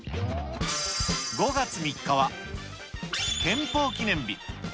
５月３日は、憲法記念日。